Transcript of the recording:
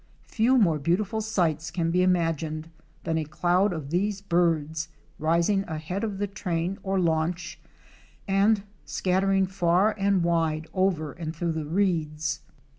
*' Few more beautiful sights can be imagined than a cloud of these birds rising ahead of the train or launch, and scattering far and wide over and through the reeds.